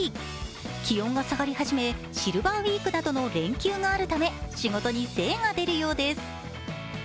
気温が下がり始め、シルバーウイークなどの連休があるため、仕事に精が出るようです。